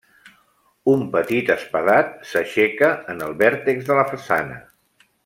Un petit espadat s'aixeca en el vèrtex de la façana.